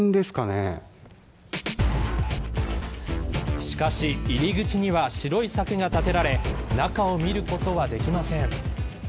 しかし入り口には白い柵が立てられ中を見ることはできません。